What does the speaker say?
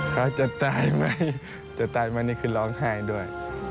เค้าจะตายไหมจะตายไหมฮิกจะตายมันนี่คือร้องไห้ด้วย